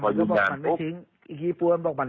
เพราะว่าตอนแรกมีการพูดถึงนิติกรคือฝ่ายกฎหมาย